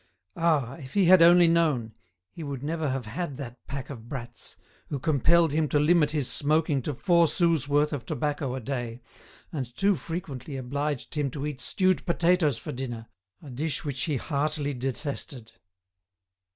Ah! if he had only known, he would never had had that pack of brats, who compelled him to limit his smoking to four sous' worth of tobacco a day, and too frequently obliged him to eat stewed potatoes for dinner, a dish which he heartily detested.